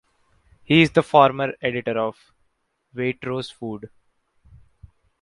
He is the former editor of "Waitrose Food".